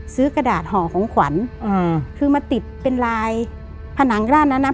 ซื้อกระดาษห่อของขวัญคือมาติดเป็นลายผนังกระดาษนั้นนะ